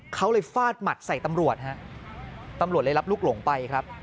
เขาเลยฟาดหมัดใส่ตำรวจฮะตำรวจเลยรับลูกหลงไปครับ